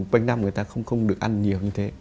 quanh năm người ta không được ăn nhiều như thế